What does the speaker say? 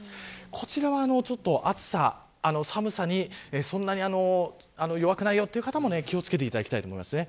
こちらは暑さ、寒さに弱くないよという方も気を付けてほしいと思います。